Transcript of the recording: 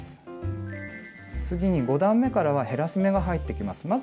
次に５段めからは減らし目が入ってきます。